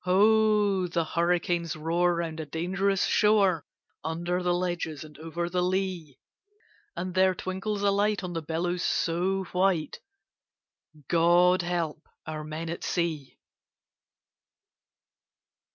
Ho! the hurricanes roar round a dangerous shore, Under the ledges and over the lea; And there twinkles a light on the billows so white God help our men at sea!